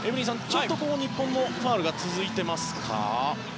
ちょっと日本のファウルが続いていますか。